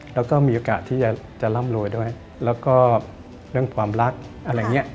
แล้วก็มีโอกาสที่จะร่ำรวยด้วยแล้วก็เรื่องความรักอะไรอย่างนี้